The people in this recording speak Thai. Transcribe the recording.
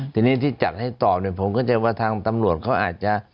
ทีนี้ที่จัดให้ตอบเนี่ยผมเข้าใจว่าทางตำรวจเขาอาจจะ